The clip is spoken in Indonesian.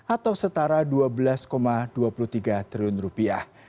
atau setara dua belas dua puluh tiga triliun rupiah